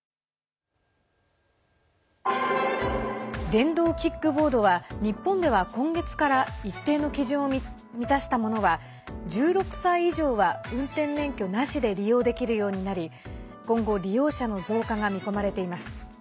電動キックボードは日本では今月から一定の基準を満たしたものは１６歳以上は、運転免許なしで利用できるようになり今後、利用者の増加が見込まれています。